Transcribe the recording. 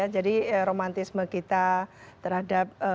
jadi romantisme kita terhadap pancasila